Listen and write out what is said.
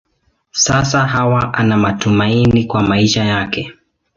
Sasa Hawa ana matumaini kwa maisha yake.